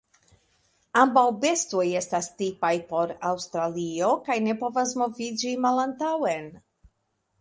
Ambaŭ bestoj estas tipaj por Aŭstralio kaj ne povas moviĝi malantaŭen.